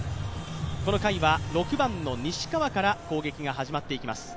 この回は６番の西川から攻撃が始まっていきます。